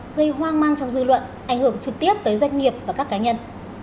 gây hoang mang trong dư luận ảnh hưởng trực tiếp tới doanh nghiệp và các cá nhân